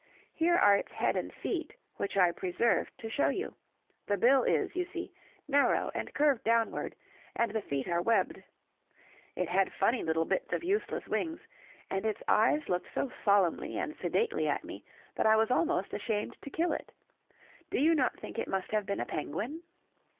Here are its head and feet, which I preserved to show you; the bill is, you see, narrow and curved downward, and the feet are webbed. It had funny little bits of useless wings, and its eyes looked so solemnly and sedately at me that I was almost ashamed to kill it. Do you not think it must have been a penguin?"